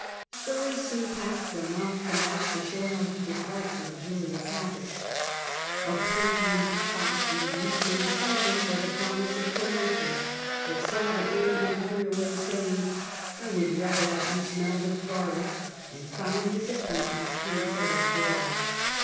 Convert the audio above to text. Stories soon passed from mouth to mouth to show how he disliked luxurious habits. A perfumed fop, we read, came to thank him for the promise of promotion, but saw the great man turn away saying, ' I would rather that you smelt of garlic,' and found his appointment cancelled after all.